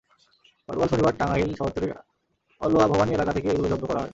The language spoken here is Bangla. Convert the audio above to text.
গতকাল শনিবার টাঙ্গাইল শহরতলির অলোয়া ভবানী এলাকা থেকে এগুলো জব্দ করা হয়।